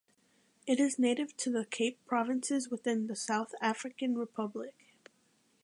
It is native to the Cape Provinces within the South African Republic.